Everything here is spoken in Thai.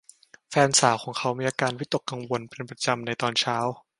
แฟนสาวของเขามีอาการวิตกกังวลเป็นประจำในตอนเช้า